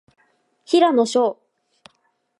平野紫耀